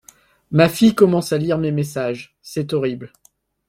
Ma fille commence à lire mes messages, c'est horrible.